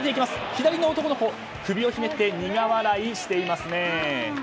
左の男の子、首をひねって苦笑いしていますね。